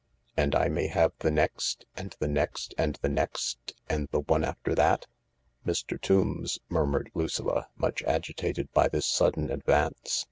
And I may have the next and the next and the next and the one after that ?"" Mr. Tombs," murmured Lucilla, much agitated by this sudden advance.